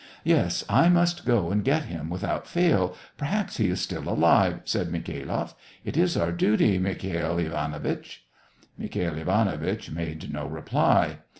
" Yes, I must go and get him, without fail ; perhaps he is still alive," said Mikhailoff. " It is our duty, Mikhail Ivanowitch !" Mikhail Ivanowitch made no reply.